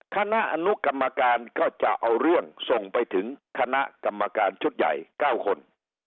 คณะอนุกรรมการก็จะเอาเรื่องส่งไปถึงคณะกรรมการชุดใหญ่๙คน